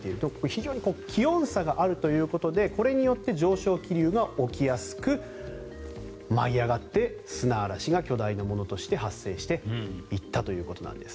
非常に気温差があるということでこれによって上昇気流が起きやすく舞い上がって、砂嵐が巨大なものとして発生していったということです。